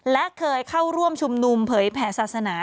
และเคยเข้าร่วมชุมนุมเผยแผ่ศาสนา